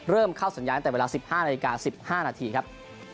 เริ่มเข้าสัญญาณตั้งแต่เวลา๑๕นาฬิกา๑๕นาทีครับ